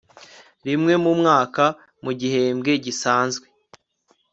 rimwe mu mwaka mu gihembwe gisanzwe